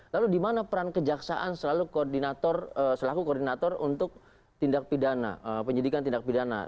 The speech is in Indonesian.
lalu di mana peran kejaksaan selalu selaku koordinator untuk tindak pidana penyidikan tindak pidana